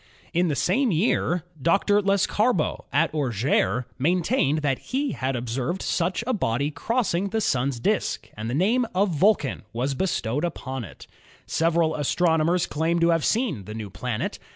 In the same year Dr. Lescarbault at Or geres maintained that he had observed such a body cross ing the Sun's disk, and the name of Vulcan was bestowed upon it. Several astronomers claimed to have seen the new planet.